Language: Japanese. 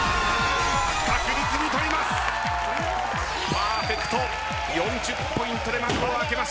パーフェクト４０ポイントで幕を開けました。